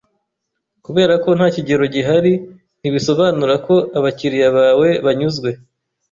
Kuberako nta kirego gihari, ntibisobanura ko abakiriya bawe banyuzwe.